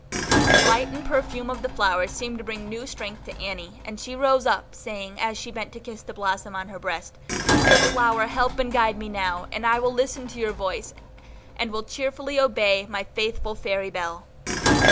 The light and perfume of the flower seemed to bring new strength to Annie, and she rose up, saying, as she bent to kiss the blossom on her breast, "Dear flower, help and guide me now, and I will listen to your voice, and cheerfully obey my faithful fairy bell."